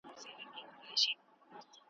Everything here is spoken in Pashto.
خو دا ته یوازي نه یې په دې غم کي .